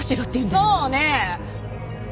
そうねえ。